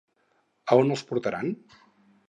A on els portaran?